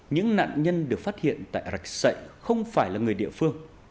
những nạn nhân được phát hiện tại rạch sậy không phải là người địa phương